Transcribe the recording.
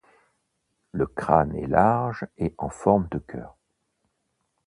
Le crâne est large et en forme de cœur.